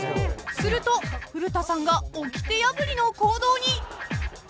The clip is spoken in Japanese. ［すると古田さんがおきて破りの行動に］